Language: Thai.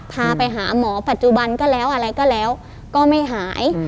พาไปหาหมอปัจจุบันก็แล้วอะไรก็แล้วก็ไม่หาย